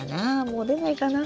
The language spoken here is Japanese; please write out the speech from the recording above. もう出ないかな？